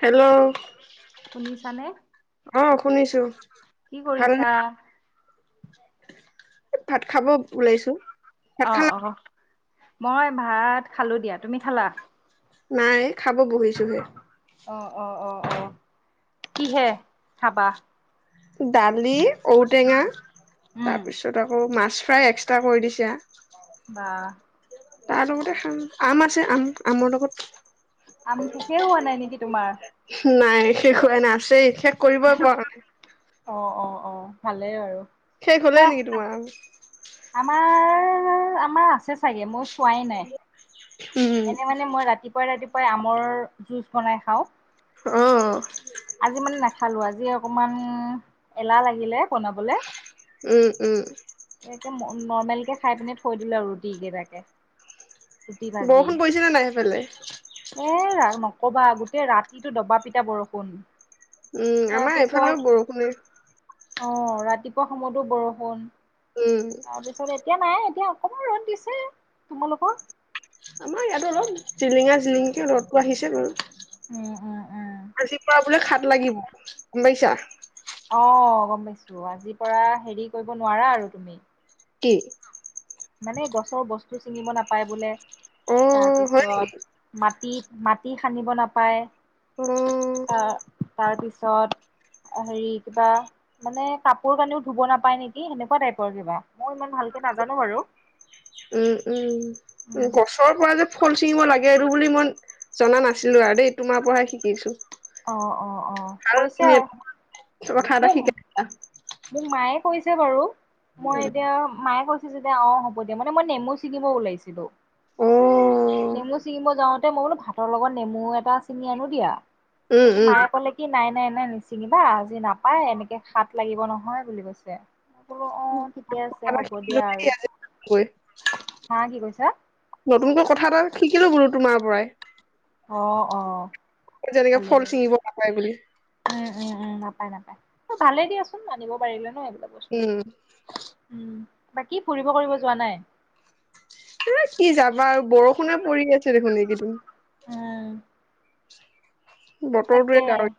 Hello শুনিছানে আহ। শুনিছোঁ। কি কৰিছা? ভাত খাব ওলাইছো। ভাত আহ, খালা অ'। মই ভাত খালো দিয়া। তুমি খালা? নাই, খাব বহিছোহে। অ' অ' অ' অ' কি'হে খাবা? দালি, ঔটেঙা, উম তাৰপিছত আকৌ মাছ। ফ্ৰাই এক্সট্ৰা কৰি দিছে। বা। তাৰ লগতে খাম আম আছে, আম আমৰ লগত আম শেষে হোৱা নাই নেকি তোমাৰ? সেই শেষ হোৱা নাই আছেই, শেষ কৰিবই পৰা নাই অ', অ'। অ', ভালেই আৰু। শেষ হ'লেই নেকি তোমাৰ আম? এ আমাৰ আছে চাগে মই চ চোৱাই নাই। উম এনে মানে মই ৰাতিপুৱাই, ৰাতিপুৱাই আমৰ জুছ বনাই খাওঁ। অ আজি মানে নাখালোঁ, আজি অকমান এলাহ লাগিলে বনাবলে। উম, উম। এতিয়া ম নৰ্মেল কে খাই পিনে থৈ দিলোঁ আৰু ৰুটি কেইটাকে। ভাজি বৰষুণ পৰিছেনে নাই সেইফালে? ক'বা গোটেই ৰাতিটো দবা পিটা বৰষুণ উম আমাৰ এইফালে বৰষুণে অঁ ৰাতিপুৱা সময়তো বৰষুণ। উম তাৰপিছত এতিয়া নাই। এতিয়া অকমান ৰদ দিছে তোমালোকৰ? আমাৰ ইয়াতো অলপ জিলিঙা জিলিঙিকে ৰ'দটো আহিছে বাৰু। উম উম উম আজিপুৱা বোলে হাত লাগিব। গম পাইছা? আহ গম পাইছো আজিৰ পৰা হেৰি কৰিব নোৱাৰা আৰু তুমি? কি? মানে গছৰ বস্তু ছিঙিব নাপায় বোলে। অ হয় তাৰপিছত মাত মাটিত মাটি সানিব নাপায়। অ অহ ', তাৰ পিছত হেৰি কিবা মানে কাপোৰ কানিও ধুব নাপায় নেকি সেনেকুৱা টাইপৰ কিবা মই ইমান ভালকে নাজানো বাৰু। উম - উম। উম, গছৰ পৰা যে ফল চিঙিব লাগে আৰু বুলি মই জনা নাছিলো আৰু দেই তোমাৰ পৰাহে শিকিছো। অঁ অঁ অঁ ভাল কৈছে তুমি এটা কথা এটা মোক শিকাইচা। মোক মায়ে কৈছে বাৰু। মই এতিয়া মায়ে কৈছো। সি যদি আও হ'ব দিয়া মানে মই নেমু ছিঙিব ওলাইছিলো অ নেমু ছিঙিম যাওতে মই বোলো ভাতৰ লগত নেমু এটা ছিঙি আনো দিয়া। উম তাৰপিছত উম মায়ে ক'লে কি নাই - নাই - নাই মায় নিছিঙিবা। নাপায় এনেকে হাত লাগিব। নহয় বুলি কৈছে। মই বোলো এ অঁ ঠিকে শ আছে হ'ব দিয়া আৰু হা কি কৈছা নতুনকৈ কথা এটা শিকিলো বলো। [unintelligible] তোমাৰ পৰাই। অ - অ যেনেকে ভালেই ফল আৰু ছিঙিব নাপায় বুলি উম - উম - উম নাপায় - নাপায়। ত ভালে দিয়াচোন মানিব পাৰিলে নয় উম। বাকি ফুৰিব কৰিব যোৱা নাই? এ কি যাবা আৰু বৰষুণে পৰি আছে দেখোন এইকেইদিন। উম। বতৰটোৱে ডাৱৰী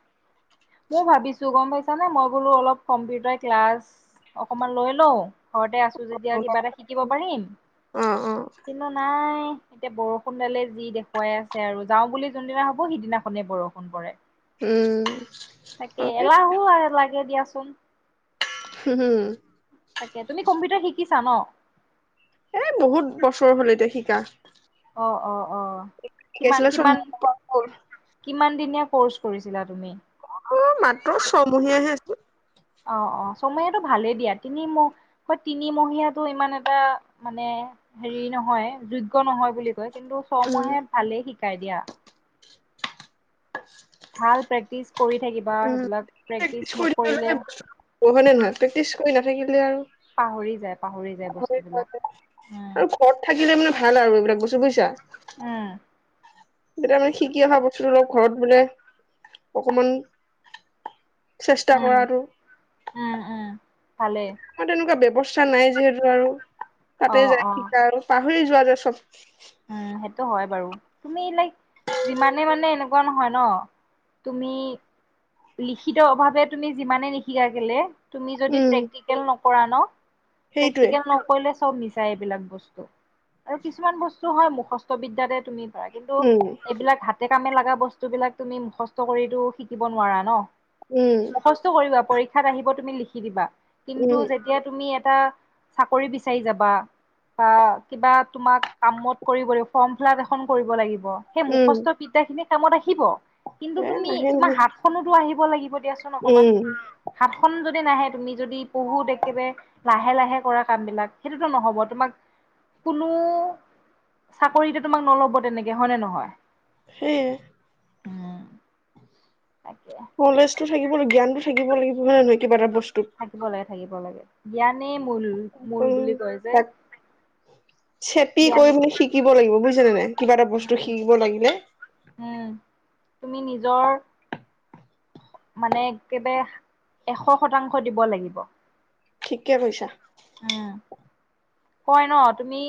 মও ভাবিছো গম পাইছা নে মই বোলো অলপ কম্পিউটাৰ ক্লাছ অকমান লৈ লও। ঘৰতে আছো যেতিয়া অলপ কিবা এটা শিকিব পাৰিম। অ অ কিন্তু নাই এতিয়া বৰষুণ দালে যি দেখুৱাই আছে আৰু যাও বুলি যোনদিনা ভাবো সিদিনাখনে বৰষু। ফোন কৰে। উম তাকে হয় এলাহো আহে লাগ গে দিয়াচোন। তাকে তুমি কম্পিউটাৰ শিক কিছো ন? এ বহুত বছৰ হ'ল এতিয়া শিকা। অ', অ', অ', কিমান শিকাইছিলে চব কিমান মোৰ পৰা গ'ল কিমান দিনীয়া কৰ্চ কৰিছিলা তুমি? অ' মাত্ৰ ছমহীয়াহে আছিলে। অৱ অৱ চহমহিয়াটো ভালেই দিয়া তিনিমহ তিনিমীয়াটো ইমান এটা মানে হেৰি নহয় যুদ [unintelligible] নহয় বুলি কয়। কিন্তু উম, চমহীয়া ভালেই শিকাই দিয়া। [unintelligible] ভাল প্ৰেকটিছ কৰি থাকিবা উম। সেইবিলাক প্ৰেক্টিচ কৰি নকৰিলে থাকিলেহে বস্তু হয় নে নহয় প্ৰেক্টিচ কৰি নাথাকিলে আৰু পাহৰি যায় পাহৰি যায় যোৱা যায়। বস্তুবিলাক, আৰু ঘৰত থাকিলে মানে উম। ভাল আৰু এইবিলাক বস্তু বুজছা? উম। যেতিয়া মানে শিকি অহা বস্তুটো ঘৰত বোলে অকমান চেষ্টা উম, উম উম। ভালেই মোৰ তেনেকুৱা বেব ৱস্থা নাই যিহেতু আৰু। অ তাতে যায় অ শিকা আৰু তাত পাহৰি যোৱা যে চব। উম, সেইটো হয় বাৰু তুমি লাইক যিমানে মানে এনেকুৱা নহয় ন তুমি লিখিত অভাৱে তুমি যিমানে লিখি দিয়া কেলে। তুমি যদি উম, প্ৰেক্টিকেল ন। পৰা ন। সেইটোৱে প্ৰেক্টিকেল নকৰিলে। চব মিছাই এইবিলাক বস্তু। আৰু কিছুমান বস্তু। হয় মুখস্ত বিদ্যাতেই। তুমি পাৰা কিন্তু উম, এইবিলাক হাতে। কামে লগা বস্তু বিলাক তুমি মুখস্থ কৰিতো শিকিব নোৱাৰা ন। উম, মুখস্থ কৰিবা পৰীক্ষা। পৰীক্ষাত আহিব তুমি লিখি দিবা। কিন্তু উম, যেতিয়া তুমি। এটা চাকৰি বিচাৰি যাবা বা কিবা তোমাক কামত কৰিব লাগিব ফৰ্ম ফিল আপ এখন কৰিব লাগিব। সেই উম। মুখস্থ বিদ্যা খিনি [unintelligible] খিব, কিন্তু এ তুমি, নাহে তোমাৰ নাহে হাতখনতো আহি ব লাগিব। দিয়াচোন অকমান, উম, হাতখন যদ তে নাহে তুমি যদি বহুত একেবাৰে লাহে-লাহে কৰা কাম বিলাক, সেইটোতো নহ'ব, তোমাক কোনো চাকৰিটো তোমাক নল'ব তেনেকে, হয় নে নহয়? সেইয়াই। উম। তাকে। নলেজটো থাকিব লা, জ্ঞানটো থাকিব লাগিব হয় নে নহয় কিবা এটা বস্ত থাকিব লাগে, থাকিব লাগে। জ্ঞানে উম, তাক চেপি জ্ঞান কৰি বুলি শিকিব লাগিব বুজিচে নে নাই? কিবা এটা বস্তু উম শিকিব লাগিলে উম তুমি নিজৰ মানে একেবাৰে এশ শতাংশ দিব লাগিব। ঠিকে কৈছা। উম। কয় ন তুমি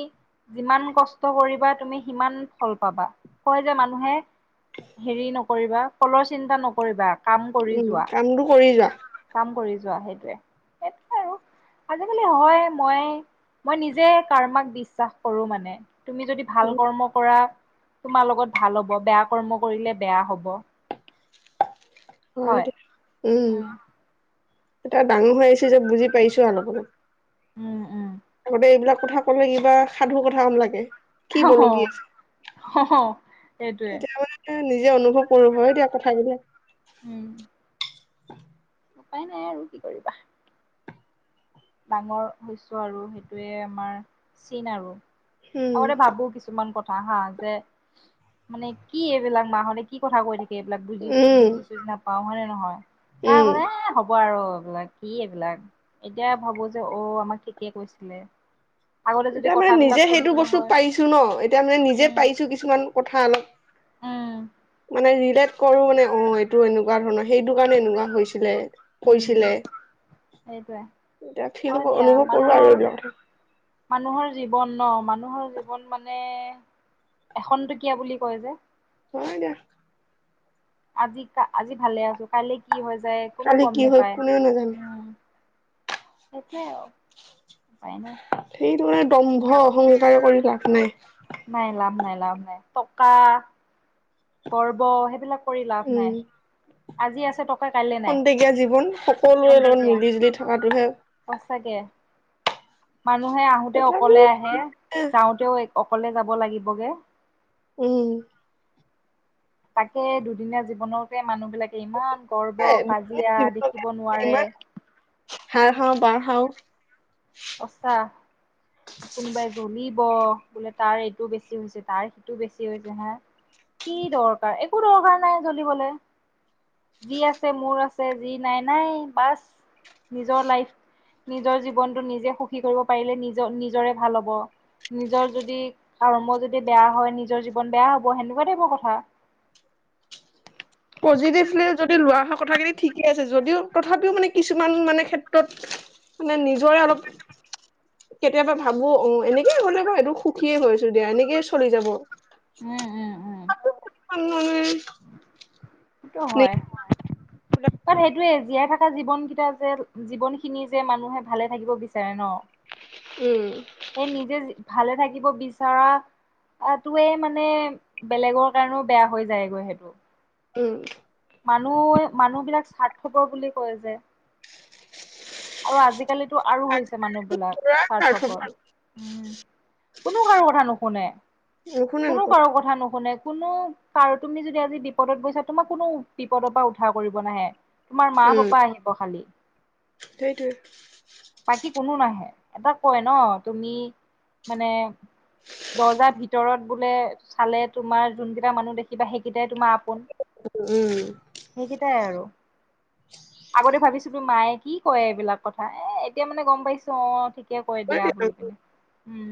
যিমান কষ্ট কৰিবা তুমি সিমান ফল পাবা। কয় যে মানুহে হেৰি নকৰিবা ফলৰ চিন্তা নকৰিবা। কাম কৰি উম, যোৱা কামটো কৰি যোৱা। কাম কৰি যোৱা সেইটোৱে, সেইটোৱে আৰু আজিকালি হয় মই মই নিজে কাৰ্মাক বিশ্বাস কৰো মানে। তুমি যদি উ ভাল কৰ্ম কৰা তোমাৰ লগত ভাল হ'ব, বেয়া কৰ্ম কৰিলে বেয়া হ'ব। হয় হয়দে, উম। এতিয়া ডাঙৰ হৈ আহিছো যে বুজি পাইছো অলপ উম উম অলপ। আগতে এইবিলাক কথা কলে কিবা সাধু কথা আম লাগে। কি বলগী আছে তেতিয়া সেইটোৱে। মানে নিজে অনুভৱ কৰো, হয় দিয়া কথা বিলাক। উম। উ উপায় নাই আৰু কি কৰিবা? ডাঙৰ হৈছো আৰু সেইটোৱে আমাৰ চীন আৰু। উম আগতে ভাবো কিছুমান কথ কা হা যে, মানে কি এইবিলাক মাহঁতে কি কথা কৈ দি সেইবিলাক বুজি, উম বুজি-চুজি নাপা পাওঁ নে নহয়? পা উম ব নে হ'ব ব আৰু এইবিলাক কি এইবিলাক এতিয়া ভাবো যে অ' আমাক কেতিয়া কৈছিলে। আগতে যদি এতিয়া মানে কথাবিলাক নিজে সেইটো শুনিলো বস্তু হয় পাৰিছো ন' এতিয়া মানে নিজে উম পাইছো কিছুমান কথা অলপ। উম। মানে ৰিলেট কৰোঁ মানে অ' এইটো এনেকুৱা ধৰণৰ সেইটো কাৰণে এনেকুৱা হৈছিলে উম কৈছিলে, সেইটোৱে এতিয়া ফিল হয় দিয়া অনুভৱ কৰো মানুহৰ আৰু এইবিলাকতে। মানুহৰ জীৱন ন মানুহৰ জীৱন মানে এখনন্তকীয়া বুলি কয় যে। কথা হয় দিয়া। আজি কা আজি ভালে আছোঁ কাইলে কি হৈ যায় কোনোও কালি গম কি হয় নোপায় কোনেও নাজানে উ। সেইটোৱে আৰু, উপায় নাই। সেইটো মানে দম্ভ অহংকাৰে কৰি লাভ নাই। নাই লাভ নাই লাভ নাই টকা গৰ্ব সেইবিলাক কৰি লাভ নাই। উম আজি আছে ত খন্তেকীয়া জীৱন সকলোৰে লগত খন্তেকীয়া মিলি জুলি থকাটোহে। সঁচাকে মানুহে আহোতে অকলে তথাপিও আহে এ যাওঁতেও এক অকলে যাব লাগিবগে। উম। তাকে দুদিনীয়া জীৱনতে মানুহ বিলাক ইমান গৰ্ব কাজিয়া দেখিব নোৱাৰে। ইমান হাৰ হাও বাৰ হাও। অচা কোনোবাই জ্বলিব বোলে তাৰ এইটো বেছি হৈছে তাৰ সিটো বেছি হৈছে হা কি দৰকাৰ একো দৰকাৰ নাই জ্বলিবলে যি আছে মোৰ আছে যি নাই নাই বাচ নিজৰ লাইফ নিজৰ জীৱন টো নিজে সুখী কৰিব পাৰিলে নিজৰ নিজৰে ভাল হব, নিজৰ যদি কৰ্ম যদি বেয়া হয় নিজৰ জীৱন বেয়া হ'ব সেনেকুৱাতে টাইপৰ কথা। পজিটিভলি যদি লোৱা হয় কথাখিনি ঠিকেই আছে যদিও তথাপিও মানে কিছুমান মানে ক্ষেত্ৰত মানে নিজৰে অলপ কেতিয়াবা ভাবো অ' এনেকেই হলে ম সটো সুখীয়ে হৈ আছো দিয়া এনেকেই চলি যাব। উম উম উম [unintelligible] সেইটো হয়, তাত সেইটোয়ে জীয়াই থাক থা জীৱন কেইটা যে জীৱন খিনি যে মানুহে ভালে থাকিব বিচাৰে ন'। উম এই নিজে যি ভালে থাকিব বিচৰাটোৱে মানে বেলেগৰ কাৰণেও বেয়া হৈ যায়গৈ সেইটো। উম। মানুহ মানুহ বিলাক স্বাৰ্থপ বুলি কয় যে। আৰু আজিকালিতো আৰু হৈছে মানুহ বিলাক [unintelligible] স্বাৰ্থপৰ। কোনো কাৰো কথা নুশুনে। নুশুনে কোনো নুশুনে কাৰো কথা নুশুনে কোনো কাৰো তুমি যদি আজি বিপদত গৈছা তোমাক কোনো বিপদৰ পৰা উঠাৰ কৰিব নাহে। তোমাৰ মা উম পাপা আহিব খালি সেইটোৱে বাকী কোনো নাহে। এটা কয় ন তুমি মানে দৰ্জাৰ ভিতৰত বোলে চালে তোমাৰ যোনকেইটা মানুহ দেখিবা সেইকেইটাই। তোমাৰ আপোন উম সেইকেইটাই আৰু আগতে ভাবিছিলোঁ মায়ে কি কয় এইবিলাক কথা এ এতিয়া মানে গম পাইছো অ' কেয়া কৈ দিয়া বুলি পিনে উম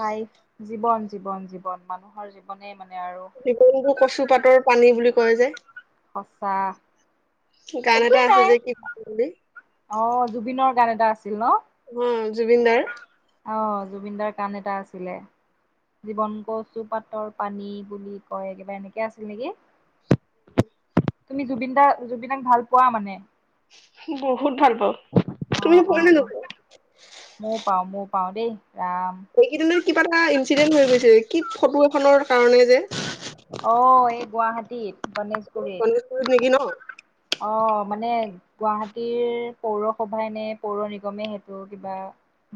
লাইফ জীৱন- জীৱন জীৱন মানুহৰ জীৱনে মানে আৰু জীৱন কচু পাতৰ পানী বুলি কয় কয় যে। সঁচা। গান একোৱে এটা আছে নাই যে কি ভাল বুলি অ' জুবিনৰ গান এটা আছে আছিল ন' অ' জুবিনদাৰ অ' জুবিন দাৰ গান এটা আছিলে জীৱন কচু পাতৰ পানী বুলি কয় কিবা এনেকে আছিল নেকি তুমি জুবিন দাৰ জুবিনাক ভাল পোৱা মানে বহুত ভাল পাওঁ। অ তুমি -অ পোৱা নে -অ নোপোৱা ময়ো পাওঁ মই পাওঁ দেই। ৰাম। এইকেইদিনত কিবা এটা ইনঞ্চিডেন্ট হৈ গৈছে কি ফটো এখনৰ কাৰণে যে। অ', এই গুৱাহাটীত। গণেশগুৰিত নেকি ন অ, মানে গুৱাহাটীৰ পৌৰ সভাই নে পৌৰ নিগমে সেইটো কিবা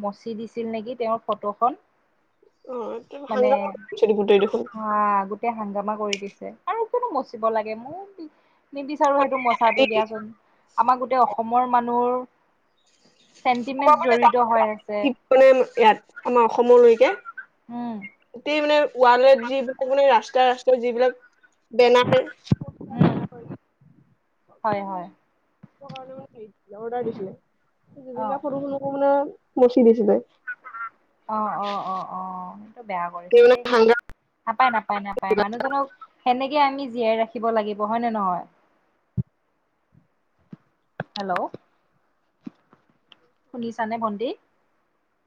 মচি দিছিল নেকি তেওঁৰ ফটোখন। অ মানে হাংগা দেপুট দেখোন। মা কৰি দিছে আৰু কিয়নো মচিব লাগে মোৰ নিবিচাৰো সেইটো এই মচাটো দিয়াচোন, আমাৰ গোটেই অসমৰ মানুহৰ চেণ্টিমেন্ট য জড়িত হৈ আছে কি মানে ইয়াত আমাৰ অসমলৈ কি? উম গোটেই মানে ৱাল যি মো ৰাস্ত ৰাস্তাৰ যিবিলাক বেনাৰ হম। এবিলাক মানে। [inaudible] জুবিন অ দা ফটো টো মচি দিছিল যে। অ -অ - অ -অ সেইটো বেয়া সি কৰিছে মানে দেই সাংঘা নাপায় নাপায় নাপায় মানুহজনক সেনেকে আমি জীয়াই ৰাখি শিকিব লাগিব হয় নে নহয়। হেল্ল'। [inaudible]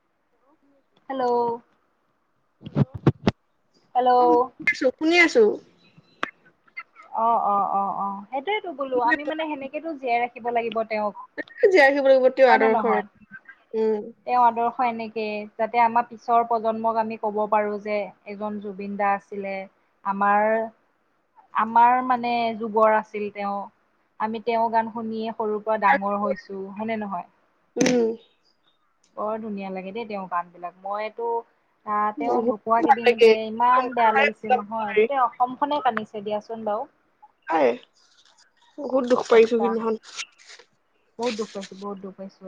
হেল্ল' হেল্ল' অ' অ' ম আছো শুনি আছো অ - অ -অ -অ সেইটয়ো বোলো আমি মানে সেনেকেতো জীয়াই ৰাখিব লাগিব তেওঁক জীয়াই ৰাখিব লাগিব তেওঁৰ হয় ন আদৰ্শৰ নহয়? উম তেওঁ আদৰ্শ এনেকে যাতে আমাৰ পিছৰ প্ৰজন্মক আমি ক'ব পাৰো যে এজন জুবিন দা আছিলে আমাৰ আমাৰ মানে যুগৰ আছিল তেওঁ আমি তেওঁ গান শুনিয়ে সৰুৰ পৰা ডাঙৰ হৈছো হয়নে নহয়? উম। বৰ ধুনীয়া লাগে দেই তেওঁ গান বিলাক মইতো আহ তেওঁ ঢুকুৱা বহুত ভাল কেইদিন লাগে যে ইমান বেয়া লাগিছিল নহয় গোটেই অসম খনে আ্নিছে দিয়াচোন বাৰু। হয়। বহুত দুখ পাইছু সঁচা কিন্তু বহুত দুখ পাইছোঁ বহুত দুখ পাইছোঁ।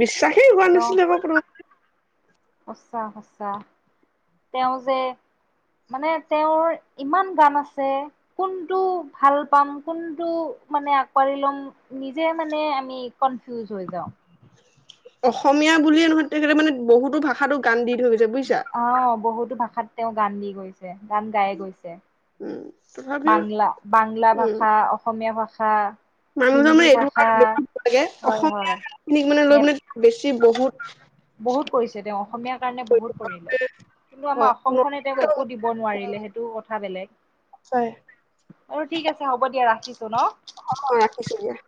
বিশ্বাসেই হোৱা নাছিলে ব সঁচা সঁচা তেওঁ যে মানে তেওঁৰ ইমান গান আছে কোনটো ভাল পাম কোনটো মানে আঁকোৱালি ল'ম নিজে মানে আমি কনফিউজ হৈ যাওঁ। অসমীয়া বুলিয়ে নহয় তেখেতে মানে বহুতো ভাষাতো গান দি থৈ গৈছে বুজিছা অ' বহুতো ভাল ভাষাত তেওঁ গান দি গৈছে গান গাই গৈছে। উম তথাপিও বাংলা বাংলা উম ভাষা, অসমীয়া ভাষা হা। মানুহজন মানে এইটো লৈ লাগে হয় অসমীয়া হয় গান খিনিক মানে লৈ নে মানে বেছি ব হুত বহুত কৰিছে তেওঁ, অসমীয়াৰ কাৰণে বহুত কৰিলে। কিন্তু আমাৰ অসমখনে তেওঁক একো দিব নোৱাৰিলে সেইটো কথা বেলেগ হয় আৰু। ঠিক আছে হ'ব দিয়া, ৰাখিছো। ন অ', ৰাখিছো দিয়া।